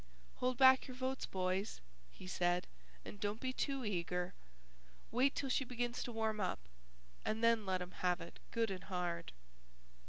"Hold back your votes, boys," he said, "and don't be too eager. Wait till she begins to warm up and then let 'em have it good and hard."